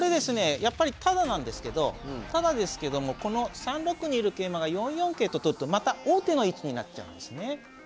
やっぱりタダなんですけどタダですけどもこの３六にいる桂馬が４四桂と取るとまた王手の位置になっちゃうんですね。